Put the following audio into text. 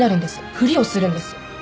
ふりをするんです